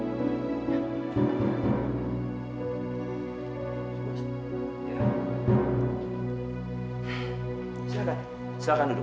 silahkan silahkan duduk